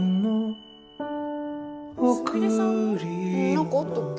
何かあったっけ？